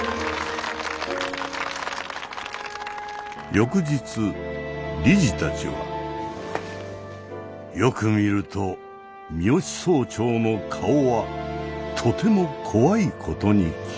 翌日理事たちはよく見ると三芳総長の顔はとても怖いことに気が付いた。